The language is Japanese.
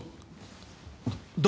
ど。